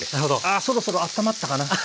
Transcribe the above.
あそろそろあったまったかな？